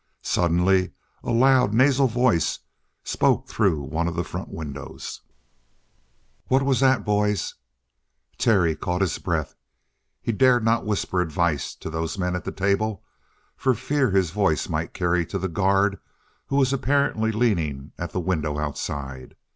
Suddenly a loud, nasal voice spoke through one of the front windows: "What was that, boys?" Terry caught his breath. He dared not whisper advice to those men at the table for fear his voice might carry to the guard who was apparently leaning at the window outside.